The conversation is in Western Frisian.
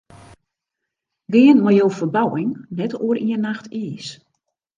Gean mei jo ferbouwing net oer ien nacht iis.